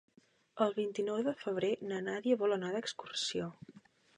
El vint-i-nou de febrer na Nàdia vol anar d'excursió.